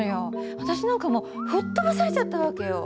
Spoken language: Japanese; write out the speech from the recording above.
私なんかもう吹っ飛ばされちゃった訳よ。